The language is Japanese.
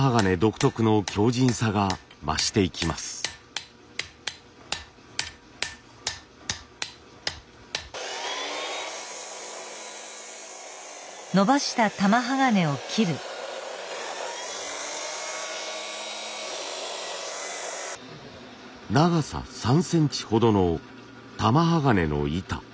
長さ３センチほどの玉鋼の板。